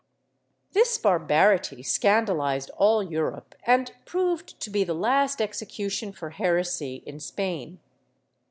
"^ This barbarity scandalized all Europe and proved to be the last execution for heresy in Spain.